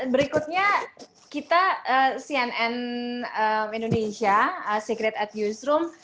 berikutnya kita cnn indonesia secret at newsroom